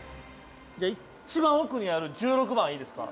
「じゃあ一番奥にある１６番いいですか？」